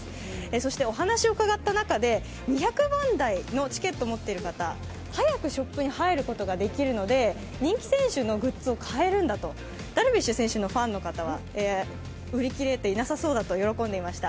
そしてお話を伺った中で２００番台のチケットを持っている方、早くショップに入ることができるので、人気選手のグッズを買えるんだとダルビッシュ選手のファンの方は売り切れていなさそうだと喜んでいました。